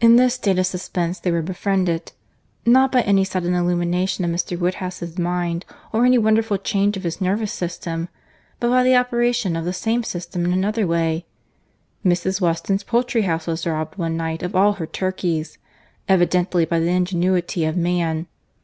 In this state of suspense they were befriended, not by any sudden illumination of Mr. Woodhouse's mind, or any wonderful change of his nervous system, but by the operation of the same system in another way.—Mrs. Weston's poultry house was robbed one night of all her turkeys—evidently by the ingenuity of man.